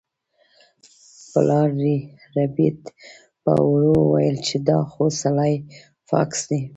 پلار ربیټ په ورو وویل چې دا خو سلای فاکس دی